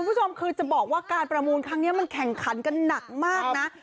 คุณผู้ชมคือจะบอกว่าการประมูลครั้งนี้มันแข่งขันกันหนักมากนะ